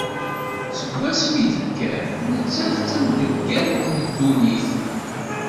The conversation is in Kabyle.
Seg wasmi i d-tekker, nettat d amdegger d ddunit.